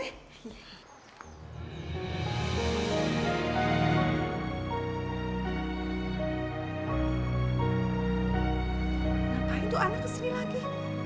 ngapain tuh anak kesini lagi